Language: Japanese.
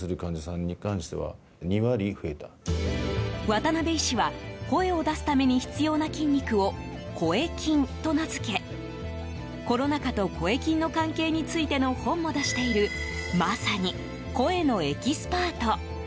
渡邊医師は声を出すために必要な筋肉を声筋と名付けコロナ禍と声筋の関係についての本も出しているまさに声のエキスパート。